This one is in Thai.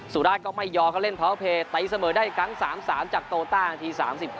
สูราคบุกก็ไม่ยอเค้าเล่นเพาเวอร์เพลย์ไต้เสมอได้กัน๓๓จากโตต้านที๓๙